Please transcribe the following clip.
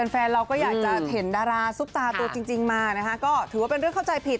แฟนเราก็อยากจะเห็นดาราซุปตาตัวจริงมานะคะก็ถือว่าเป็นเรื่องเข้าใจผิด